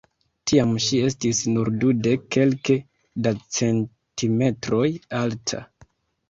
Tiam ŝi estis nur dudek kelke da centimetroj alta.